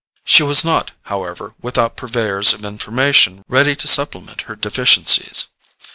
She was not, however, without purveyors of information ready to supplement her deficiencies.